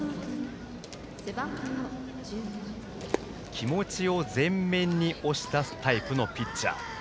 気持ちを前面に押し出すタイプのピッチャー。